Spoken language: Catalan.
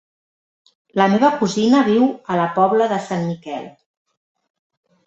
La meva cosina viu a la Pobla de Sant Miquel.